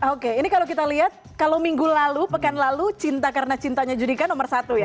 oke ini kalau kita lihat kalau minggu lalu pekan lalu cinta karena cintanya judika nomor satu ya